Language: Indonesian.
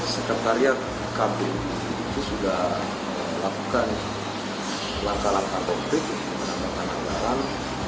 sekretariat kpu itu sudah melakukan langkah langkah konkret menambahkan anggaran